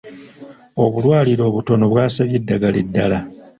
Obulwaliro obutono bwasabye eddagala eddaala.